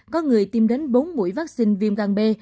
có người tiêm đến bốn mũi vaccine viêm gan b